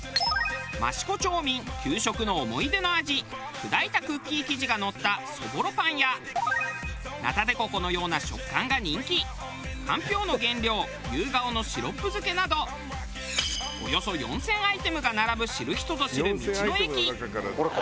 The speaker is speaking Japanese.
益子町民給食の思い出の味砕いたクッキー生地がのったそぼろぱんやナタデココのような食感が人気かんぴょうの原料ゆうがおのシロップ漬けなどおよそ４０００アイテムが並ぶ知る人ぞ知る道の駅。